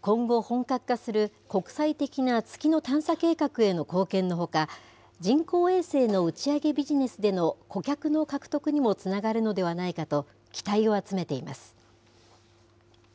今後、本格化する国際的な月の探査計画への貢献のほか、人工衛星の打ち上げビジネスでの顧客の獲得にもつながるのではないかと、期待を集めています。